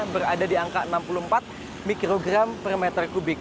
berada di angka enam puluh empat mikrogram per meter kubik